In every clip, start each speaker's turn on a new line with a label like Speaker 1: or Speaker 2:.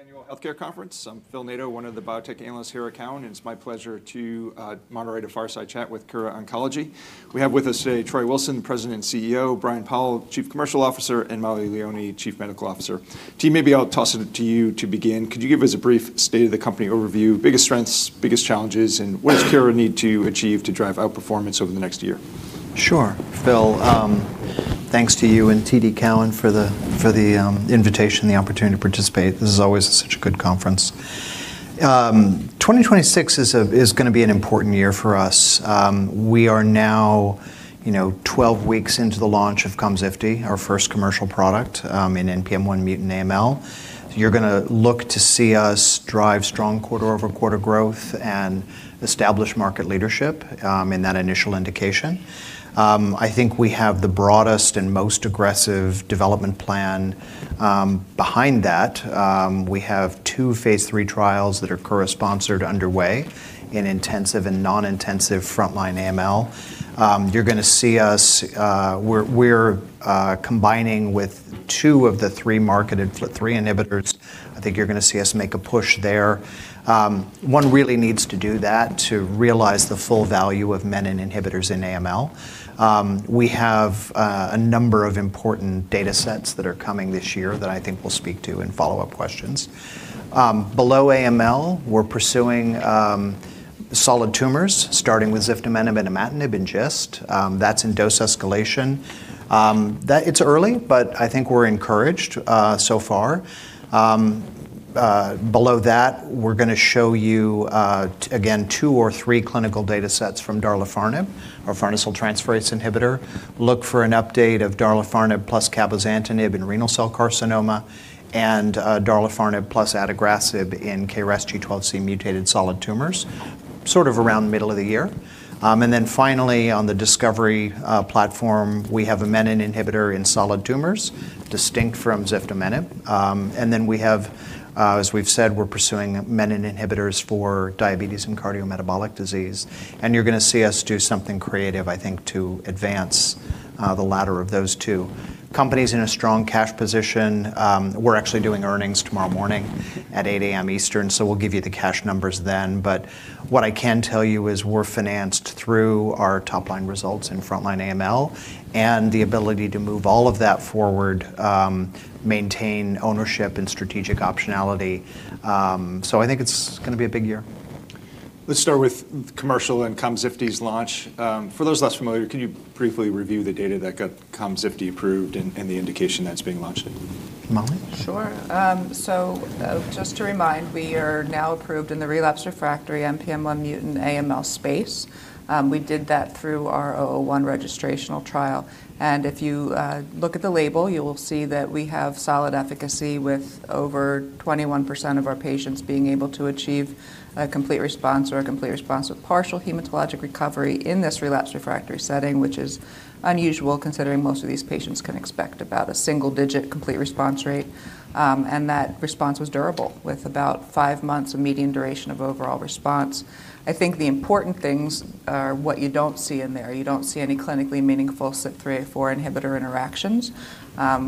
Speaker 1: Annual healthcare conference. I'm Phil Nadeau, one of the Biotech Analysts here at Cowen, and it's my pleasure to moderate a fireside chat with Kura Oncology. We have with us today Troy Wilson, President and CEO, Brian Powl, Chief Commercial Officer, and Mollie Leoni, Chief Medical Officer. T, maybe I'll toss it to you to begin. Could you give us a brief state of the company overview, biggest strengths, biggest challenges, and what does Kura need to achieve to drive outperformance over the next year?
Speaker 2: Sure. Phil, thanks to you and TD Cowen for the invitation and the opportunity to participate. This is always such a good conference. 2026 is gonna be an important year for us. We are now, you know, 12 weeks into the launch of Komzifti, our first commercial product, in NPM1-mutated AML. You're gonna look to see us drive strong quarter-over-quarter growth and establish market leadership in that initial indication. I think we have the broadest and most aggressive development plan behind that. We have two phase III trials that are Kura-sponsored underway in intensive and non-intensive frontline AML. You're gonna see us combining with two of the three marketed FLT3 inhibitors. I think you're gonna see us make a push there. One really needs to do that to realize the full value of menin inhibitors in AML. We have a number of important data sets that are coming this year that I think we'll speak to in follow-up questions. Below AML, we're pursuing solid tumors, starting with ziftomenib and imatinib in GIST. That's in dose escalation. That's early, but I think we're encouraged so far. Below that, we're gonna show you again, two or three clinical data sets from darlifarnib, our farnesyl transferase inhibitor. Look for an update of darlifarnib plus Cabozantinib in renal cell carcinoma and darlifarnib plus adagrasib in KRAS G12C mutated solid tumors, sort of around the middle of the year. Finally, on the discovery platform, we have a menin inhibitor in solid tumors, distinct from ziftomenib. As we've said, we're pursuing menin inhibitors for diabetes and cardiometabolic disease. You're gonna see us do something creative, I think, to advance the latter of those two. Company's in a strong cash position. We're actually doing earnings tomorrow morning at 8:00 A.M. Eastern, we'll give you the cash numbers then. What I can tell you is we're financed through our top-line results in frontline AML and the ability to move all of that forward, maintain ownership and strategic optionality. I think it's gonna be a big year.
Speaker 1: Let's start with commercial and Komzifti's launch. For those less familiar, can you briefly review the data that got Komzifti approved and the indication that it's being launched in?
Speaker 2: Mollie?
Speaker 3: Sure. Just to remind, we are now approved in the relapsed refractory NPM1 mutant AML space. We did that through our KOMET-001 registrational trial. If you look at the label, you will see that we have solid efficacy with over 21% of our patients being able to achieve a Complete Response or a Complete Response with partial hematologic recovery in this relapsed refractory setting, which is unusual considering most of these patients can expect about a single-digit Complete Response rate. That response was durable, with about five months of median duration of overall response. I think the important things are what you don't see in there. You don't see any clinically meaningful CYP3A4 inhibitor interactions,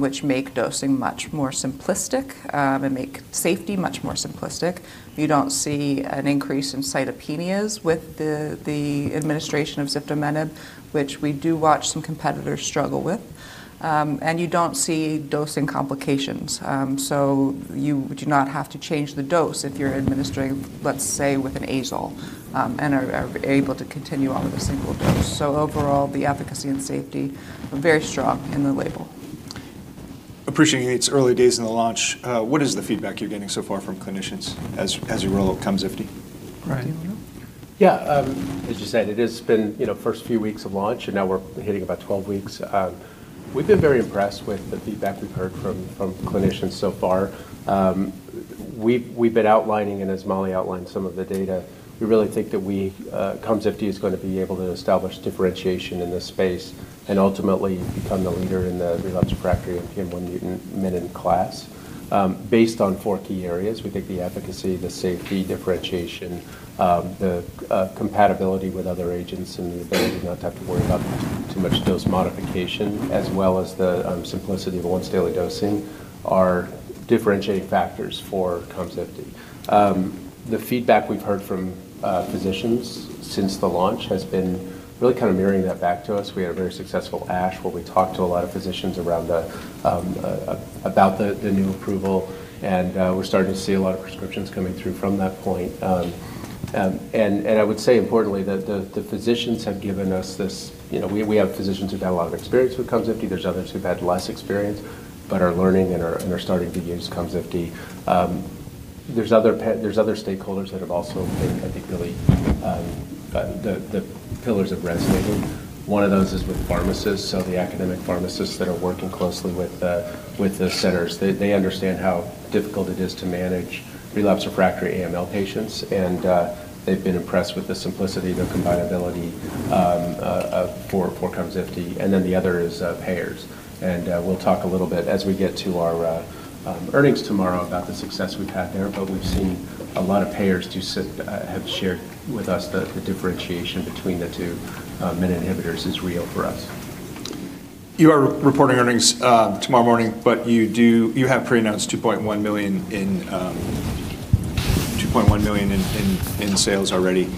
Speaker 3: which make dosing much more simplistic, and make safety much more simplistic. You don't see an increase in cytopenias with the administration of ziftomenib, which we do watch some competitors struggle with. You don't see dosing complications. You do not have to change the dose if you're administering, let's say, with an azole, and are able to continue on with a single dose. Overall, the efficacy and safety are very strong in the label.
Speaker 1: Appreciate it's early days in the launch. What is the feedback you're getting so far from clinicians as you roll out Komzifti?
Speaker 2: Brian.
Speaker 3: Do you wanna?
Speaker 4: Yeah. As you said, it has been, you know, first few weeks of launch, and now we're hitting about 12 weeks. We've been very impressed with the feedback we've heard from clinicians so far. We've been outlining, and as Mollie outlined some of the data, we really think that we Komzifti is gonna be able to establish differentiation in this space and ultimately become the leader in the relapsed refractory NPM1 mutant menin class, based on four key areas. We think the efficacy, the safety, differentiation, the compatibility with other agents, and the ability to not have to worry about too much dose modification, as well as the simplicity of once-daily dosing are differentiating factors for Komzifti. The feedback we've heard from physicians since the launch has been really kind of mirroring that back to us. We had a very successful ASH where we talked to a lot of physicians about the new approval. We're starting to see a lot of prescriptions coming through from that point. I would say importantly that the physicians have given us this. You know, we have physicians who've had a lot of experience with Komzifti. There's others who've had less experience but are learning and are starting to use Komzifti. There's other stakeholders that have also I think really the pillars have resonated. One of those is with pharmacists, so the academic pharmacists that are working closely with the centers. They understand how difficult it is to manage relapsed refractory AML patients, and they've been impressed with the simplicity, the compatibility, of Komzifti. The other is payers. We'll talk a little bit as we get to our earnings tomorrow about the success we've had there, but we've seen a lot of payers have shared with us the differentiation between the two menin inhibitors is real for us.
Speaker 1: You are reporting earnings tomorrow morning, but you have pre-announced $2.1 million in sales already,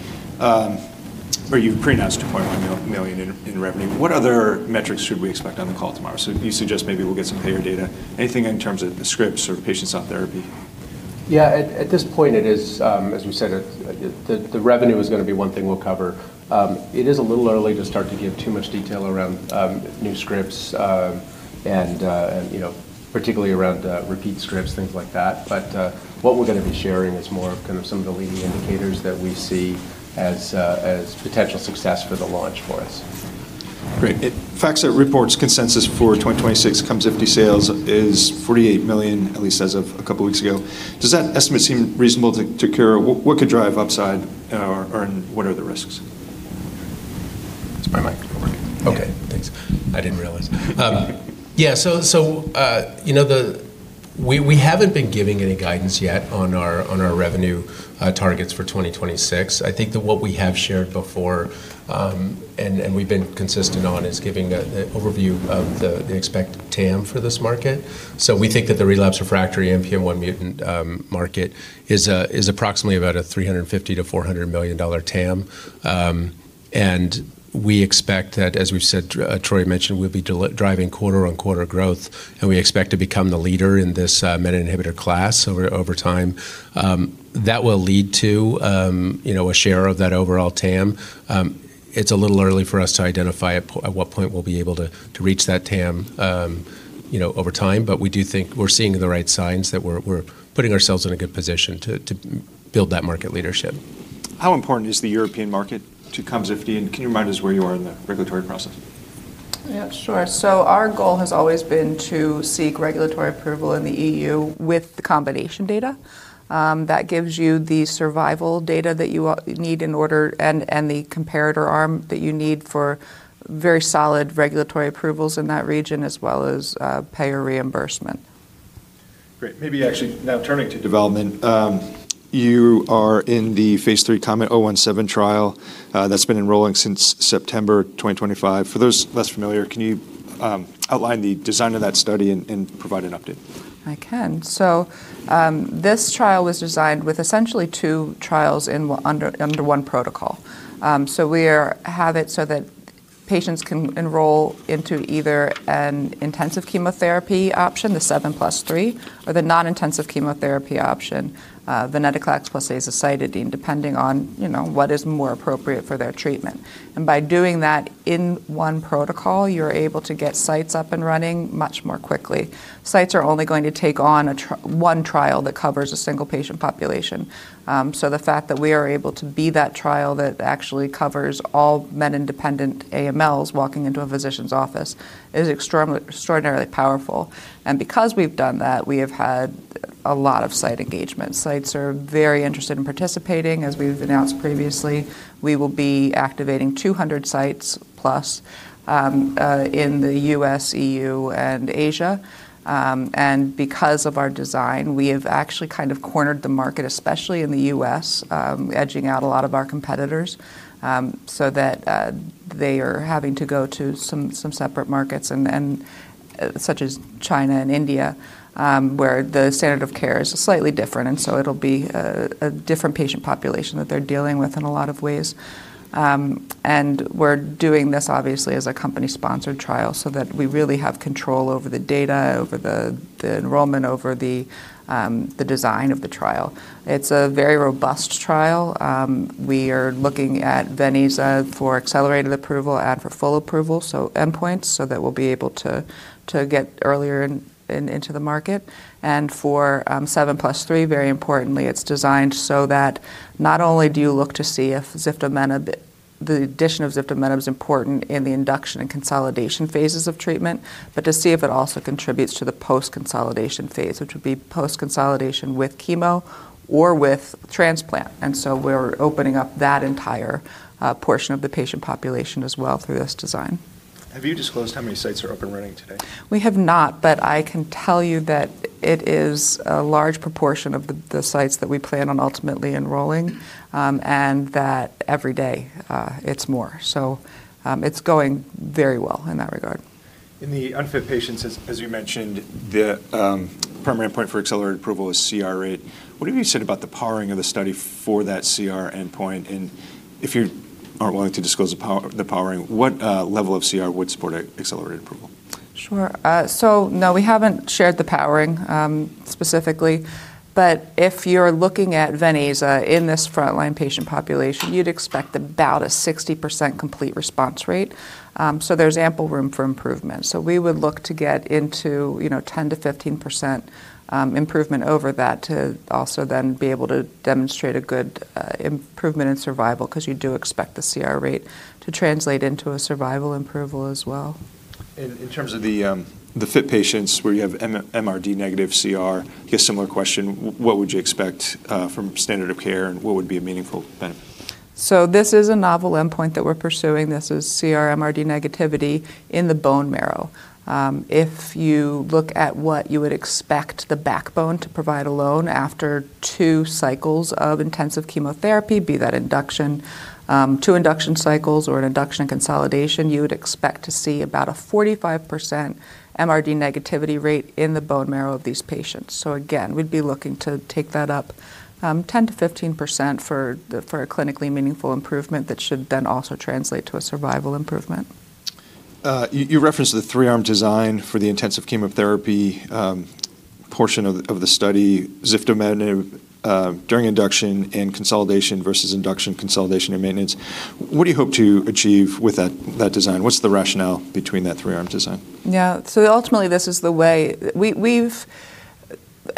Speaker 1: or you've pre-announced $2.1 million in revenue. What other metrics should we expect on the call tomorrow? You suggest maybe we'll get some payer data. Anything in terms of the scripts or patients on therapy?
Speaker 4: Yeah. At this point it is, as we said, the revenue is gonna be one thing we'll cover. It is a little early to start to give too much detail around new scripts, and, you know, particularly around repeat scripts, things like that. What we're gonna be sharing is more of kind of some of the leading indicators that we see as potential success for the launch for us.
Speaker 1: Great. FactSet reports consensus for 2026 Komzifti sales is $48 million, at least as of a couple weeks ago. Does that estimate seem reasonable to Kura? What could drive upside or, and what are the risks?
Speaker 4: It's my mic. It worked. Okay, thanks. I didn't realize. Yeah. You know, We haven't been giving any guidance yet on our revenue targets for 2026. I think that what we have shared before, and we've been consistent on, is giving the overview of the expected TAM for this market. We think that the relapse refractory NPM1 mutant market is approximately about a $350 million-$400 million TAM. We expect that, as we've said, Troy mentioned, we'll be driving quarter-on-quarter growth, and we expect to become the leader in this MET inhibitor class over time. That will lead to, you know, a share of that overall TAM. It's a little early for us to identify at what point we'll be able to reach that TAM, you know, over time, but we do think we're seeing the right signs that we're putting ourselves in a good position to build that market leadership.
Speaker 1: How important is the European market to Komzifti, and can you remind us where you are in the regulatory process?
Speaker 3: Yeah, sure. Our goal has always been to seek regulatory approval in the EU with the combination data. That gives you the survival data that you need in order and the comparator arm that you need for very solid regulatory approvals in that region as well as payer reimbursement.
Speaker 1: Great. Maybe actually now turning to development. you are in the phase III KOMET-017 trial, that's been enrolling since September 2025. For those less familiar, can you outline the design of that study and provide an update?
Speaker 3: I can. This trial was designed with essentially two trials in under one protocol. We have it so that patients can enroll into either an intensive chemotherapy 7+3, or the non-intensive chemotherapy option, Venetoclax plus Azacitidine, depending on, you know, what is more appropriate for their treatment. By doing that in one protocol, you're able to get sites up and running much more quickly. Sites are only going to take on one trial that covers a single patient population. The fact that we are able to be that trial that actually covers all menin-independent AMLs walking into a physician's office is extraordinarily powerful. Because we've done that, we have had a lot of site engagement. Sites are very interested in participating. As we've announced previously, we will be activating 200 sites plus in the U.S., EU, and Asia. Because of our design, we have actually kind of cornered the market, especially in the U.S., edging out a lot of our competitors, so that they are having to go to some separate markets and such as China and India, where the standard of care is slightly different, and so it'll be a different patient population that they're dealing with in a lot of ways. We're doing this obviously as a company-sponsored trial so that we really have control over the data, over the enrollment, over the design of the trial. It's a very robust trial. We are looking at Venclexta for accelerated approval and for full approval, so endpoints so that we'll be able to get earlier into the 7+3, very importantly, it's designed so that not only do you look to see if the addition of ziftomenib is important in the induction and consolidation phases of treatment, but to see if it also contributes to the post-consolidation phase, which would be post-consolidation with chemo or with transplant. We're opening up that entire portion of the patient population as well through this design.
Speaker 1: Have you disclosed how many sites are up and running today?
Speaker 3: We have not, but I can tell you that it is a large proportion of the sites that we plan on ultimately enrolling, and that every day, it's more. It's going very well in that regard.
Speaker 1: In the unfit patients, as you mentioned, the primary endpoint for accelerated approval is CR rate. What have you said about the powering of the study for that CR endpoint? If you aren't willing to disclose the powering, what level of CR would support a accelerated approval?
Speaker 3: Sure. No, we haven't shared the powering, specifically, but if you're looking at Venclexta in this frontline patient population, you'd expect about a 60% complete response rate. There's ample room for improvement. We would look to get into, you know, 10%-15% improvement over that to also then be able to demonstrate a good improvement in survival, 'cause you do expect the CR rate to translate into a survival improvement as well.
Speaker 1: In terms of the fit patients where you have MRD negative CR, I guess similar question, what would you expect from standard of care, and what would be a meaningful benefit?
Speaker 3: This is a novel endpoint that we're pursuing. This is CR MRD negativity in the bone marrow. If you look at what you would expect the backbone to provide alone after two cycles of intensive chemotherapy, be that induction, two induction cycles or an induction consolidation, you would expect to see about a 45% MRD negativity rate in the bone marrow of these patients. Again, we'd be looking to take that up, 10%-15% for a clinically meaningful improvement that should then also translate to a survival improvement.
Speaker 1: You referenced the three-arm design for the intensive chemotherapy portion of the study. Ziftomenib during induction and consolidation versus induction, consolidation, and maintenance. What do you hope to achieve with that design? What's the rationale between that three-arm design?
Speaker 3: Yeah. Ultimately,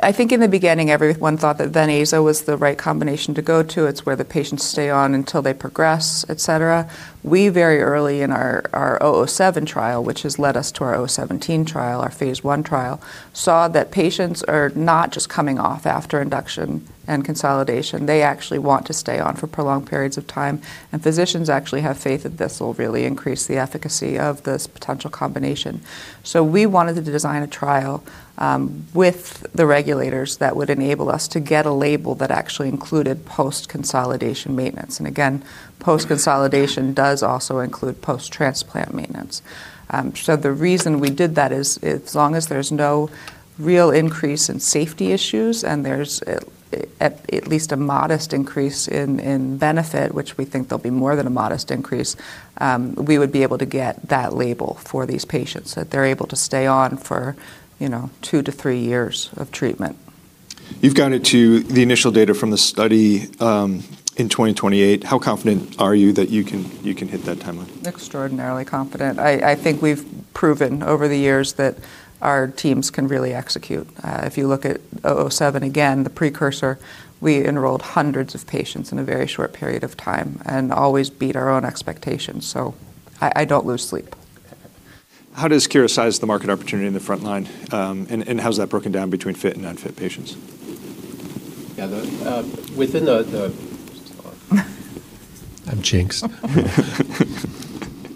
Speaker 3: I think in the beginning, everyone thought that Venetoclax was the right combination to go to. It's where the patients stay on until they progress, et cetera. We very early in our KOMET-007 trial, which has led us to our KOMET-017 trial, our phase I trial, saw that patients are not just coming off after induction and consolidation. They actually want to stay on for prolonged periods of time, and physicians actually have faith that this will really increase the efficacy of this potential combination. we wanted to design a trial with the regulators that would enable us to get a label that actually included post-consolidation maintenance. Again, post-consolidation does also include post-transplant maintenance. The reason we did that is as long as there's no real increase in safety issues and there's at least a modest increase in benefit, which we think there'll be more than a modest increase, we would be able to get that label for these patients, that they're able to stay on for, you know, two to three years of treatment.
Speaker 1: You've guided to the initial data from the study, in 2028. How confident are you that you can hit that timeline?
Speaker 3: Extraordinarily confident. I think we've proven over the years that our teams can really execute. If you look at KOMET-007 again, the precursor, we enrolled hundreds of patients in a very short period of time and always beat our own expectations. I don't lose sleep.
Speaker 1: How does Kura size the market opportunity in the front line, and how is that broken down between fit and unfit patients?
Speaker 4: I'm jinxed.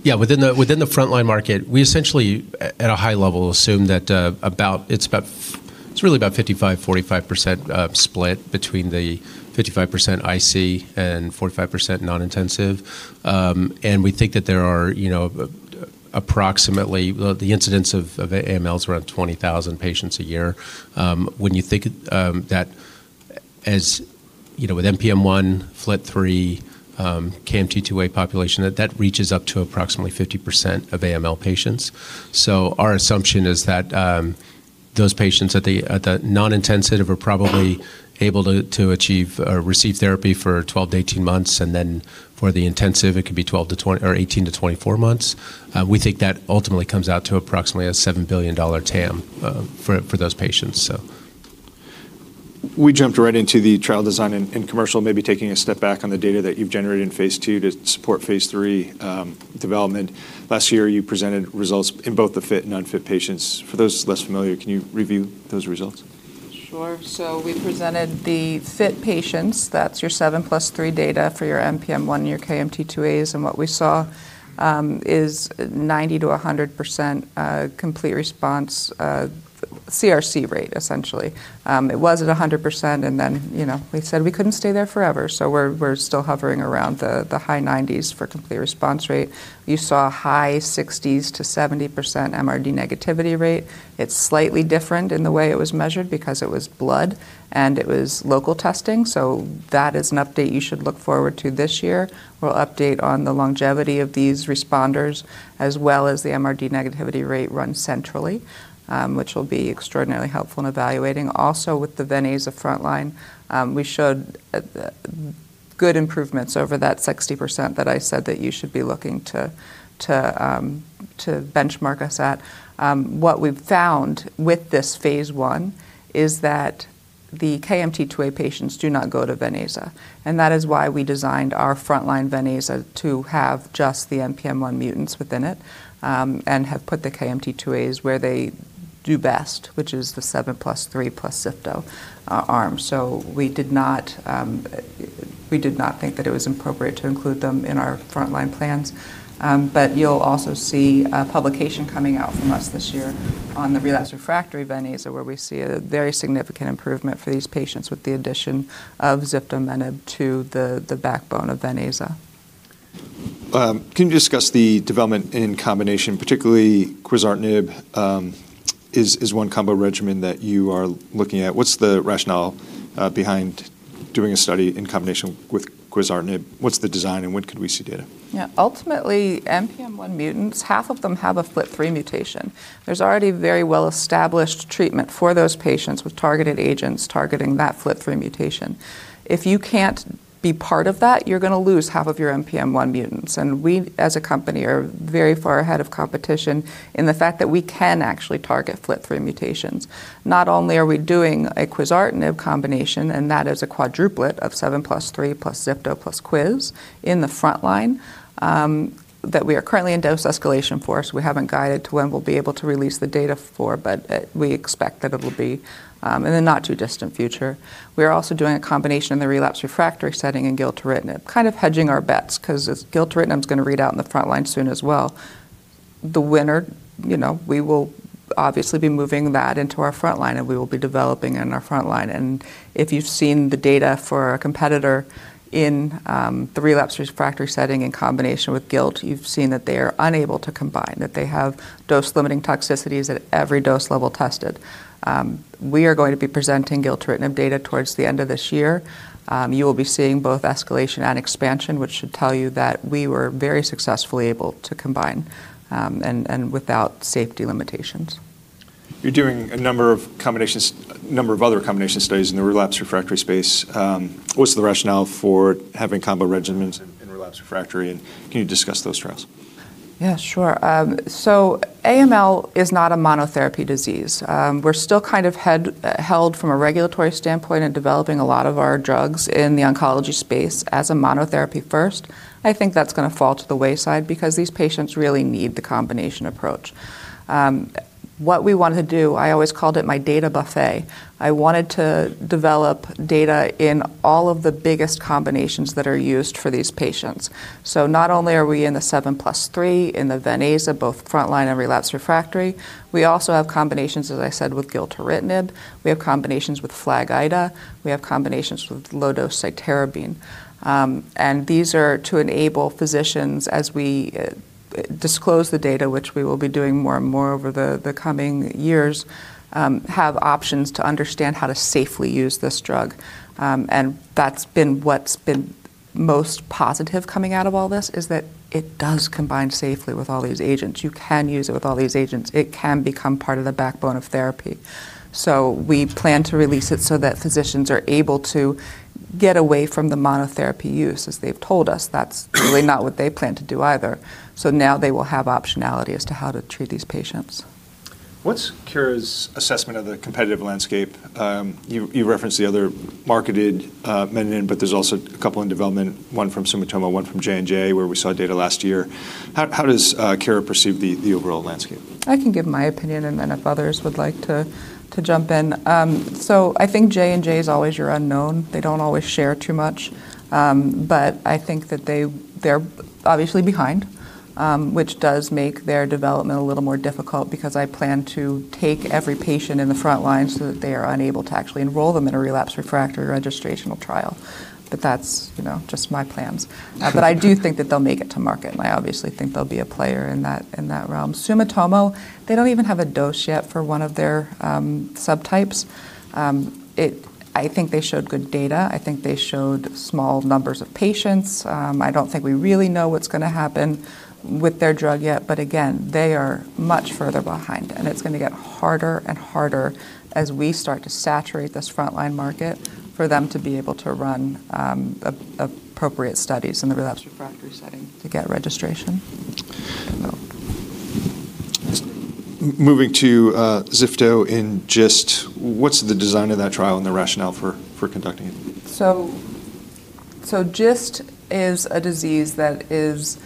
Speaker 4: Yeah. Within the frontline market, we essentially at a high level assume that it's 55%, 45% split between the 55% IC and 45% non-intensive. We think that there are, you know, approximately the incidence of AML around 20,000 patients a year. When you think that as, you know, with NPM1, FLT3, KMT2A population, that reaches up to approximately 50% of AML patients. Our assumption is that those patients at the non-intensive are probably able to achieve or receive therapy for 12-18 months, and then for the intensive, it could be 18-24 months. We think that ultimately comes out to approximately a $7 billion TAM for those patients, so.
Speaker 1: We jumped right into the trial design and commercial. Maybe taking a step back on the data that you've generated in phase II to support phase III development. Last year, you presented results in both the fit and unfit patients. For those less familiar, can you review those results?
Speaker 3: Sure. We presented the fit patients. 7+3 data for your NPM1 and your KMT2A, what we saw is 90%-100% complete response, CRC rate, essentially. It was at 100%, you know, we said we couldn't stay there forever. We're still hovering around the high 90s for complete response rate. You saw high 60s-70% MRD negativity rate. It's slightly different in the way it was measured because it was blood, and it was local testing. That is an update you should look forward to this year. We'll update on the longevity of these responders as well as the MRD negativity rate run centrally, which will be extraordinarily helpful in evaluating. Also with the Venetoclax frontline, we showed good improvements over that 60% that I said that you should be looking to benchmark us at. What we've found with this phase I is that the KMT2A patients do not go to Venetoclax. That is why we designed our frontline Venetoclax to have just the NPM1 mutants within it, and have put the KMT2As where they do best, which 7+3 plus ziftomenib arm. We did not, we did not think that it was appropriate to include them in our frontline plans. You'll also see a publication coming out from us this year on the relapsed refractory Venetoclax, where we see a very significant improvement for these patients with the addition of ziftomenib to the backbone of Venetoclax.
Speaker 1: Can you discuss the development in combination, particularly Quizartinib, is one combo regimen that you are looking at. What's the rationale behind doing a study in combination with Quizartinib? What's the design, and when could we see data?
Speaker 3: Yeah. Ultimately, NPM1 mutants, half of them have a FLT3 mutation. There's already very well-established treatment for those patients with targeted agents targeting that FLT3 mutation. If you can't be part of that, you're gonna lose half of your NPM1 mutants. We, as a company, are very far ahead of competition in the fact that we can actually target FLT3 mutations. Not only are we doing a Quizartinib combination, that is a quadruplet of 7+3 plus ziftomenib plus Quizartinib in the front line, that we are currently in dose escalation for, we haven't guided to when we'll be able to release the data for, we expect that it will be in the not too distant future. We are also doing a combination in the relapse refractory setting in Gilteritinib, kind of hedging our bets 'cause as Gilteritinib is gonna read out in the frontline soon as well. The winner, you know, we will obviously be moving that into our frontline, and we will be developing in our frontline. If you've seen the data for our competitor in the relapsed refractory setting in combination with Gilteritinib, you've seen that they are unable to combine, that they have dose-limiting toxicities at every dose level tested. We are going to be presenting Gilteritinib data towards the end of this year. You will be seeing both escalation and expansion, which should tell you that we were very successfully able to combine and without safety limitations.
Speaker 1: You're doing a number of other combination studies in the relapsed refractory space. What's the rationale for having combo regimens in relapsed refractory, and can you discuss those trials?
Speaker 3: Yeah, sure. AML is not a monotherapy disease. We're still kind of head-held from a regulatory standpoint in developing a lot of our drugs in the oncology space as a monotherapy first. I think that's gonna fall to the wayside because these patients really need the combination approach. What we want to do, I always called it my data buffet. I wanted to develop data in all of the biggest combinations that are used for these patients. Not only are we in the 7+3, in the Ven/Aza, both frontline and relapsed refractory, we also have combinations, as I said, with Gilteritinib, we have combinations with FLAG-Ida, we have combinations with low-dose Cytarabine. These are to enable physicians as we disclose the data, which we will be doing more and more over the coming years, have options to understand how to safely use this drug. That's been what's been most positive coming out of all this is that it does combine safely with all these agents. You can use it with all these agents. It can become part of the backbone of therapy. We plan to release it so that physicians are able to get away from the monotherapy use, as they've told us that's really not what they plan to do either. Now they will have optionality as to how to treat these patients.
Speaker 1: What's Kura's assessment of the competitive landscape? You referenced the other marketed menin, but there's also a couple in development, one from Sumitomo, one from J&J, where we saw data last year. How does Kura perceive the overall landscape?
Speaker 3: I can give my opinion and then if others would like to jump in. I think J&J is always your unknown. They don't always share too much. I think that they're obviously behind, which does make their development a little more difficult because I plan to take every patient in the front line so that they are unable to actually enroll them in a relapsed refractory registrational trial. That's, you know, just my plans. I do think that they'll make it to market, and I obviously think they'll be a player in that, in that realm. Sumitomo, they don't even have a dose yet for one of their subtypes. I think they showed good data. I think they showed small numbers of patients. I don't think we really know what's gonna happen with their drug yet. Again, they are much further behind, and it's gonna get harder and harder as we start to saturate this frontline market for them to be able to run appropriate studies in the relapsed refractory setting to get registration.
Speaker 1: Moving to zifto in GIST. What's the design of that trial and the rationale for conducting it?
Speaker 3: GIST is a disease that is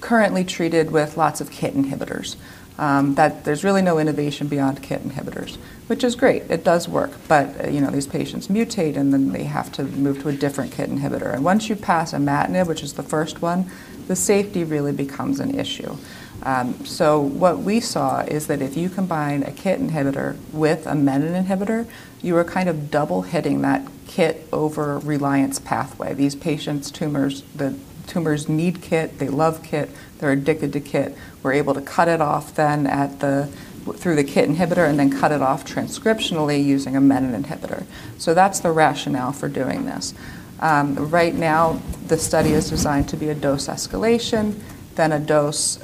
Speaker 3: currently treated with lots of KIT inhibitors, that there's really no innovation beyond KIT inhibitors, which is great. It does work. You know, these patients mutate, and then they have to move to a different KIT inhibitor. Once you pass imatinib, which is the first one, the safety really becomes an issue. What we saw is that if you combine a KIT inhibitor with a menin inhibitor, you are kind of double-heading that KIT over reliance pathway. These patients' tumors, the tumors need KIT, they love KIT, they're addicted to KIT. We're able to cut it off then through the KIT inhibitor and then cut it off transcriptionally using a menin inhibitor. That's the rationale for doing this. Right now the study is designed to be a dose escalation, then a dose,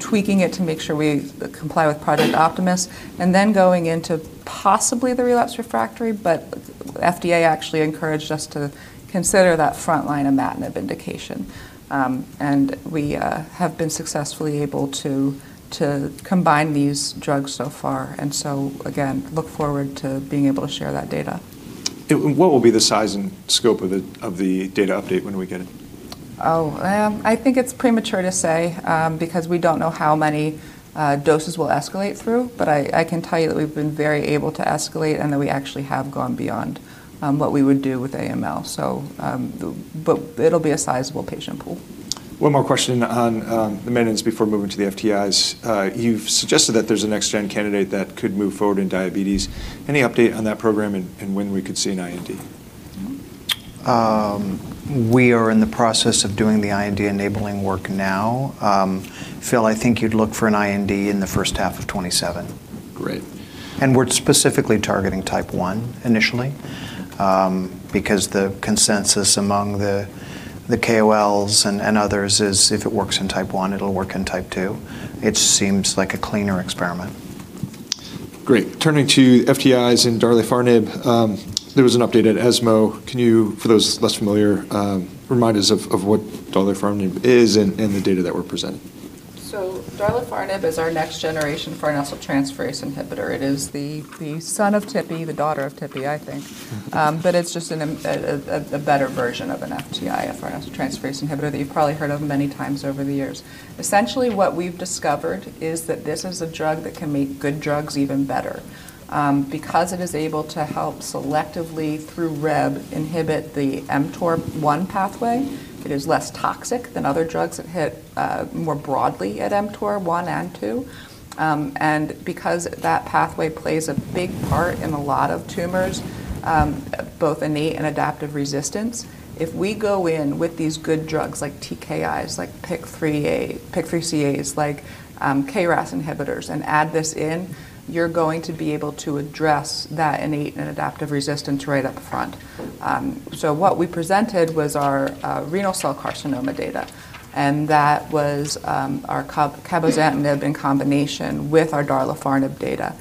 Speaker 3: tweaking it to make sure we comply with Project Optimus, and then going into possibly the relapsed refractory. FDA actually encouraged us to consider that frontline imatinib indication. We have been successfully able to combine these drugs so far. Again, look forward to being able to share that data.
Speaker 1: What will be the size and scope of the data update when we get it?
Speaker 3: Oh, I think it's premature to say, because we don't know how many doses we'll escalate through. I can tell you that we've been very able to escalate and that we actually have gone beyond what we would do with AML. It'll be a sizable patient pool.
Speaker 1: One more question on the menins before moving to the FTIs. You've suggested that there's a next gen candidate that could move forward in diabetes. Any update on that program and when we could see an IND?
Speaker 2: We are in the process of doing the IND-enabling work now. Phil, I think you'd look for an IND in the first half of 2027.
Speaker 1: Great.
Speaker 2: We're specifically targeting Class I initially, because the consensus among the KOLs and others is if it works in Class I, it'll work in Class II. It just seems like a cleaner experiment.
Speaker 1: Great. Turning to FTIs and darlifarnib, there was an update at ESMO. Can you, for those less familiar, remind us of what darlifarnib is and the data that were presented?
Speaker 3: Darlifarnib is our next generation farnesyltransferase inhibitor. It is the son of Tipi, the daughter of Tipi, I think.
Speaker 1: Mm-hmm.
Speaker 3: It's just a better version of an FTI, a farnesyltransferase inhibitor that you've probably heard of many times over the years. Essentially, what we've discovered is that this is a drug that can make good drugs even better. It is able to help selectively, through Rheb, inhibit the mTOR 1 pathway. It is less toxic than other drugs that hit more broadly at mTOR 1 and 2. That pathway plays a big part in a lot of tumors, both innate and adaptive resistance. If we go in with these good drugs like TKIs, like PIK3A, PIK3CAs, like KRAS inhibitors, and add this in, you're going to be able to address that innate and adaptive resistance right up front. What we presented was our renal cell carcinoma data, and that was our Cabozantinib in combination with our darlifarnib data.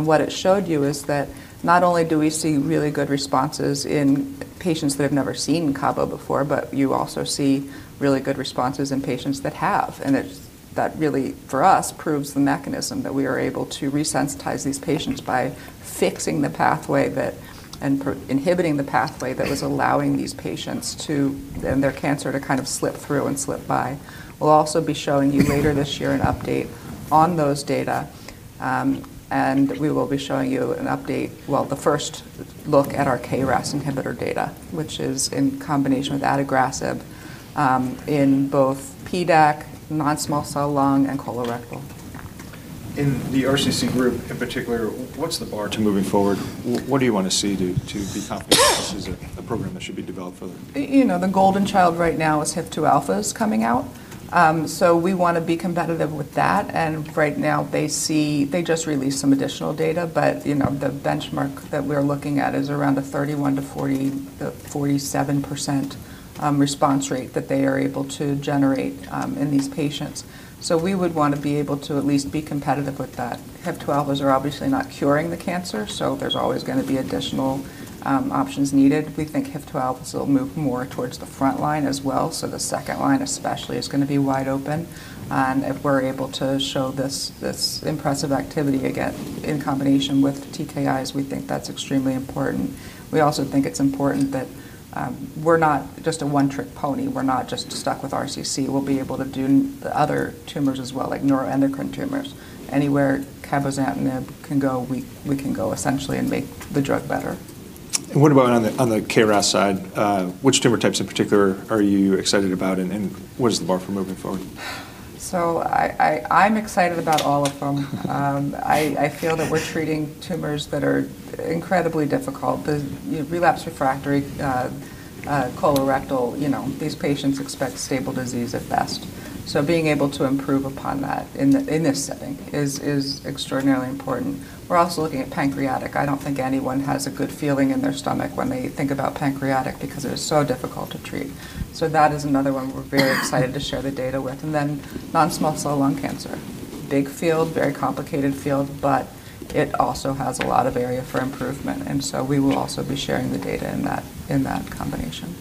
Speaker 3: What it showed you is that not only do we see really good responses in patients that have never seen cabo before, but you also see really good responses in patients that have. That really, for us, proves the mechanism that we are able to resensitize these patients by fixing the pathway that, inhibiting the pathway that was allowing these patients to, and their cancer to kind of slip through and slip by. We'll also be showing you later this year an update on those data, and we will be showing you an update, well, the first look at our KRAS inhibitor data, which is in combination with adagrasib, in both PDAC, non-small cell lung, and colorectal.
Speaker 1: In the RCC group in particular, what's the bar to moving forward? What do you want to see to be confident this is a program that should be developed further?
Speaker 3: You know, the golden child right now is HIF-2αs coming out. We wanna be competitive with that, and right now they see. They just released some additional data, but, you know, the benchmark that we're looking at is around a 31% to 40%, 47% response rate that they are able to generate in these patients. We would wanna be able to at least be competitive with that. HIF-2αs are obviously not curing the cancer, so there's always gonna be additional options needed. We think HIF-2αs will move more towards the frontline as well, so the second line especially is gonna be wide open. If we're able to show this impressive activity again in combination with TKIs, we think that's extremely important. We also think it's important that we're not just a one-trick pony. We're not just stuck with RCC. We'll be able to do other tumors as well, like neuroendocrine tumors. Anywhere cabozantinib can go, we can go essentially and make the drug better.
Speaker 1: What about on the KRAS side? Which tumor types in particular are you excited about and what is the bar for moving forward?
Speaker 3: I'm excited about all of them. I feel that we're treating tumors that are incredibly difficult. The relapse refractory colorectal, you know, these patients expect stable disease at best. Being able to improve upon that in this setting is extraordinarily important. We're also looking at pancreatic. I don't think anyone has a good feeling in their stomach when they think about pancreatic because it is so difficult to treat. That is another one we're very excited to share the data with. Non-small cell lung cancer. Big field, very complicated field, but it also has a lot of area for improvement, and so we will also be sharing the data in that combination.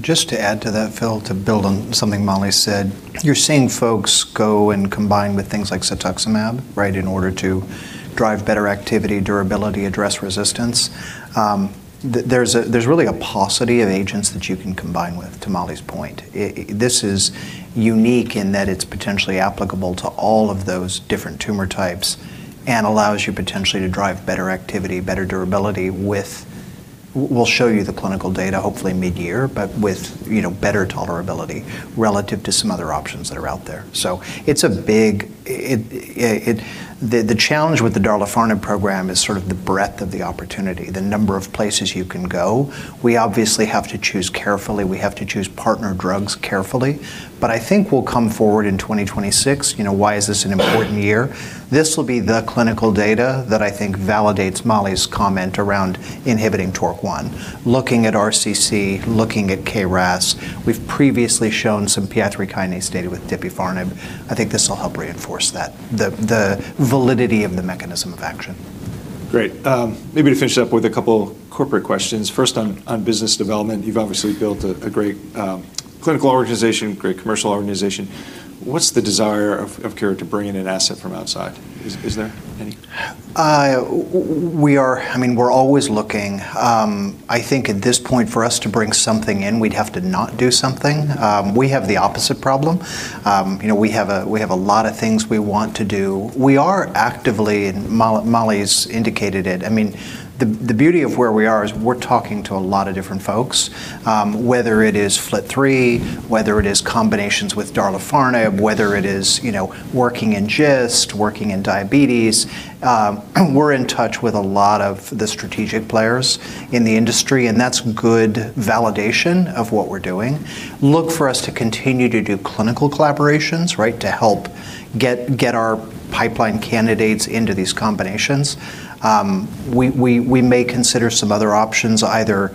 Speaker 2: Just to add to that, Phil, to build on something Mollie said, you're seeing folks go and combine with things like Cetuximab, right, in order to drive better activity, durability, address resistance. There's really a paucity of agents that you can combine with, to Mollie's point. This is unique in that it's potentially applicable to all of those different tumor types and allows you potentially to drive better activity, better durability with. We'll show you the clinical data hopefully midyear, but with, you know, better tolerability relative to some other options that are out there. It's a big. The challenge with the darlifarnib program is sort of the breadth of the opportunity, the number of places you can go. We obviously have to choose carefully. We have to choose partner drugs carefully. I think we'll come forward in 2026. You know, why is this an important year? This will be the clinical data that I think validates Mollie's comment around inhibiting TORC1. Looking at RCC, looking at KRAS, we've previously shown some PI3K data with tipifarnib. I think this will help reinforce that, the validity of the mechanism of action.
Speaker 1: Great. Maybe to finish up with a couple corporate questions. First on business development, you've obviously built a great clinical organization, great commercial organization. What's the desire of Kura to bring in an asset from outside? Is there any? We are, I mean, we're always looking. I think at this point, for us to bring something in, we'd have to not do something. You know, we have a lot of things we want to do.
Speaker 2: We are actively, Mollie's indicated it, I mean, the beauty of where we are is we're talking to a lot of different folks, whether it is FLT3, whether it is combinations with darlifarnib, whether it is, you know, working in GIST, working in diabetes, we're in touch with a lot of the strategic players in the industry, that's good validation of what we're doing. Look for us to continue to do clinical collaborations, right, to help get our pipeline candidates into these combinations. We may consider some other options either.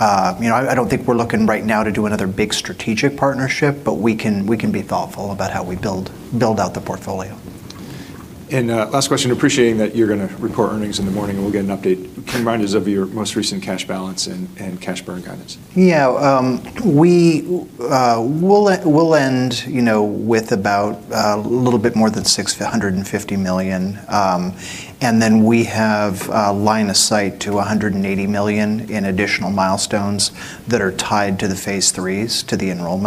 Speaker 2: You know, I don't think we're looking right now to do another big strategic partnership, we can be thoughtful about how we build out the portfolio.
Speaker 1: Last question, appreciating that you're gonna report earnings in the morning and we'll get an update, can you remind us of your most recent cash balance and cash burn guidance?
Speaker 2: Yeah, we'll end, you know, with about a little bit more than $650 million, and then we have a line of sight to $180 million in additional milestones that are tied to the phase IIIs, to the enrollment.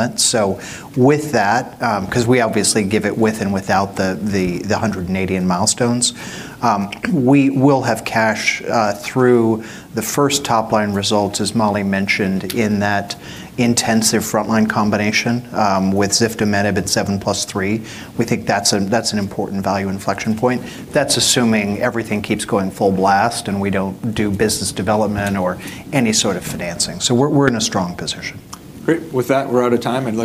Speaker 2: With that, because we obviously give it with and without the $180 in milestones, we will have cash through the first top-line results, as Mollie mentioned, in that intensive frontline combination with ziftomenib at 7+3. We think that's an important value inflection point. That's assuming everything keeps going full blast and we don't do business development or any sort of financing. We're in a strong position.
Speaker 1: Great. With that, we're out of time.